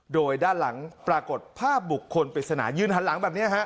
โดยด้านหลังปรากฏภาพบุคคลปริศนายืนหันหลังแบบนี้ฮะ